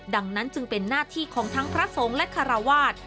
ดังนั้นจึงเป็นหน้าที่ของทั้งพระสงฆ์และคาราวาส